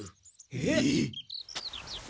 えっ？